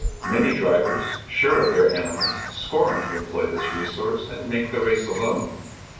Many drivers, sure of their animals, scorn to employ this resource, and make the race alone.